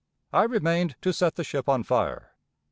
I remained to set the ship on fire.